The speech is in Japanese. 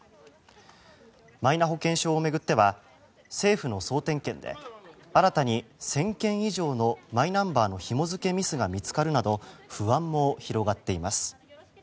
マイナ保険証を巡っては政府の総点検で新たに１０００件以上のマイナンバーのひも付けミスが見つかるなど不安も広がっています。